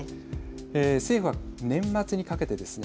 政府は年末にかけてですね